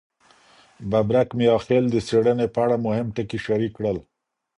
ببرک میاخیل د څېړني په اړه مهم ټکي شریک کړل.